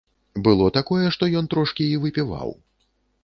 Было такое, што ён трошкі і выпіваў.